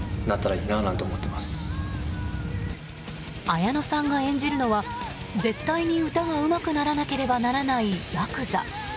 綾野さんが演じるのは絶対に歌がうまくならなければならない、ヤクザ。